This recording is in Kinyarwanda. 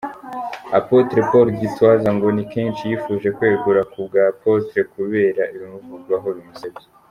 Apotre Paul Gitwaza ngo ni kenshi yifuje kwegura kubwa Apotre kubera ibimuvugwaho bimusebya.